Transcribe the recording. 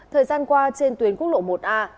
thời gian qua trên tuyến quốc lộ một a